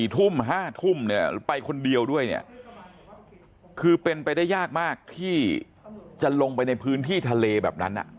๕ทุ่มเนี่ยไปคนเดียวด้วยเนี่ยคือเป็นไปได้ยากมากที่จะลงไปในพื้นที่ทะเลแบบนั้น